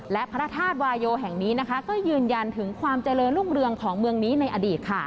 และพระธาตุวายโยแห่งนี้ก็ยืนยันถึงความเจริญรุ่งเรืองของเมืองนี้ในอดีต